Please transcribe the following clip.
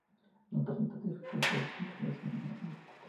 No presenta dificultades inusuales en el cultivo.